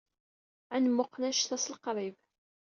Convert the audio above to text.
Ad nmuqqel annect-a s leqrib.